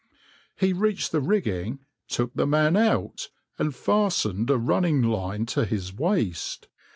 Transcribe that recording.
He reached the rigging, took the man out, and fastened a running line to his waist.